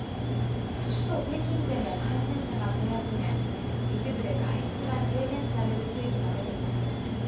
首都・北京でも感染者が増え始め一部で、外出が制限される地域が出ています。